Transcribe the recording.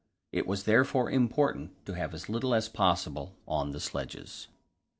It was therefore important to have as little as possible on the sledges.